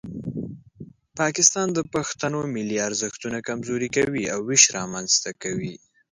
پاکستان د پښتنو ملي ارزښتونه کمزوري کوي او ویش رامنځته کوي.